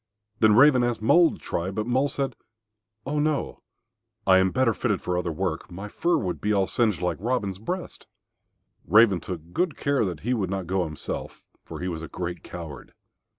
Then Raven asked Mole to try, but Mole said, "Oh no, I am better fitted for other work. My fur would all be singed like Robin's breast." Raven took good care that he would not go himself, for he was a great coward.